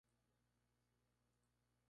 Jenofonte atribuye a estas fiestas otro origen.